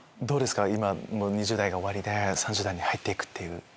どうですか今２０代が終わりで３０代に入って行くっていう。